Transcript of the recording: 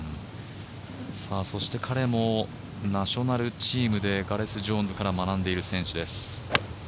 彼もナショナルチームでガレス・ジョーンズから学んでいる選手です。